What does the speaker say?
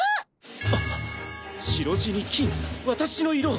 あっ白地に金私の色！